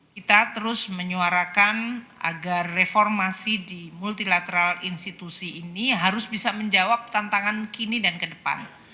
kita terus menyuarakan agar reformasi di multilateral institusi ini harus bisa menjawab tantangan kini dan ke depan